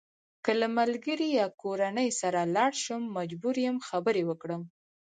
که له ملګري یا کورنۍ سره لاړ شم مجبور یم خبرې وکړم.